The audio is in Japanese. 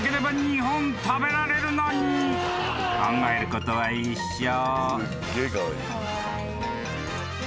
［考えることは一緒］